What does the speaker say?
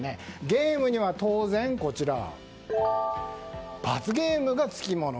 ゲームには当然罰ゲームがつきもの。